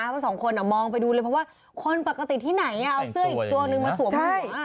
เพราะสองคนมองไปดูเลยเพราะว่าคนปกติที่ไหนเอาเสื้ออีกตัวนึงมาสวมผม